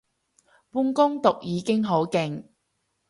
半工讀已經好勁